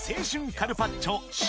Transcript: カルパッチョ城